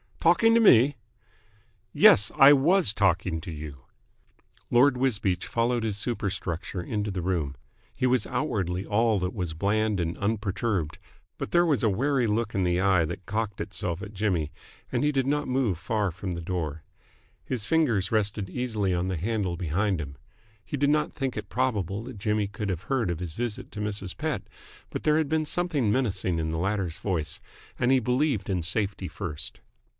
"Talking to me?" "Yes, I was talking to you." Lord Wisbeach followed his superstructure into the room. He was outwardly all that was bland and unperturbed, but there was a wary look in the eye that cocked itself at Jimmy, and he did not move far from the door. His fingers rested easily on the handle behind him. He did not think it probable that Jimmy could have heard of his visit to Mrs. Pett, but there had been something menacing in the latter's voice, and he believed in safety first.